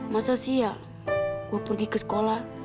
masa sih ya gue pergi ke sekolah